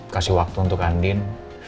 kasih waktu untuk andin